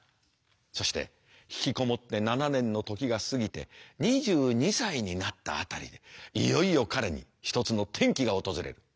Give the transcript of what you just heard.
そして引きこもって７年の時が過ぎて２２歳になった辺りでいよいよ彼に一つの転機が訪れる。